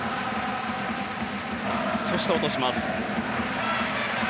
そして落とします。